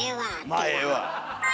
「まあええわ」。